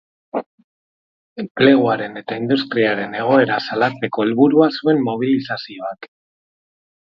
Enpleguaren eta industriaren egoera salatzeko heburua zuen mobilizazioak.